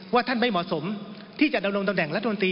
ท่านไม่เหมาะสมที่จะดำรงตำแหน่งรัฐมนตรี